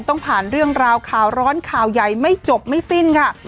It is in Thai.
ต้องผ่านเรื่องราวข่าวร้อนข่าวใหญ่ไม่จบไม่สิ้นค่ะ